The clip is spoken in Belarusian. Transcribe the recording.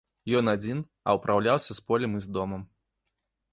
Ён адзін, а ўпраўляўся з полем і з домам.